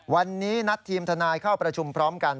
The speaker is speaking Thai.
วันนี้นัดทีมทนายเข้าประชุมพร้อมกัน